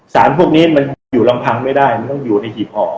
พวกนี้มันอยู่ลำพังไม่ได้มันต้องอยู่ในหีบห่อ